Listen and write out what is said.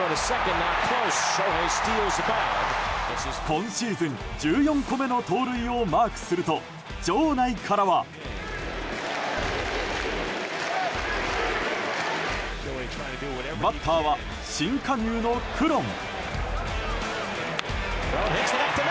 今シーズン１４個目の盗塁をマークすると場内からは。バッターは新加入のクロン。